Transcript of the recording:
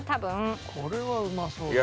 これはうまそうだね。